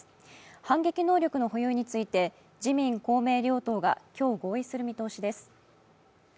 反撃能力の保有について自民・公明両党が今日、合意する見通しです。